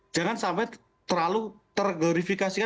jangan sampai terlalu tergorifikasi